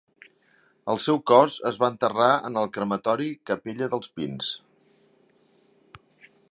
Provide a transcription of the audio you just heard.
El seu cos es va enterrar en el Crematori Capella dels Pins.